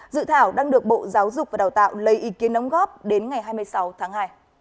dự thảo đang được bộ giáo dục và đào tạo lấy ý kiến đóng góp đến ngày hai mươi sáu tháng hai